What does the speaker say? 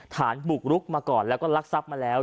ฐานบุกรุกมาก่อนแล้วก็รักทรัพย์มาแล้ว